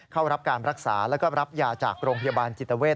เข้ารับการรักษาแล้วก็รับยาจากโรงพยาบาลจิตเวท